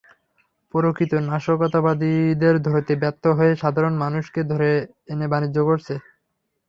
প্রকৃত নাশকতাকারীদের ধরতে ব্যর্থ হয়ে সাধারণ মানুষকে ধরে এনে বাণিজ্য করছে।